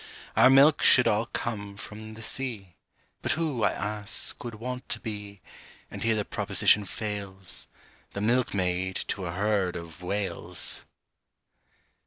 Our milk should all come from the sea, But who, I ask, would want to be, And here the proposition fails, The milkmaid to a herd of Whales?